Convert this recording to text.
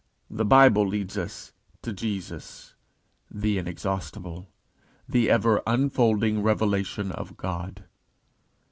The Bible leads us to Jesus, the inexhaustible, the ever unfolding Revelation of God.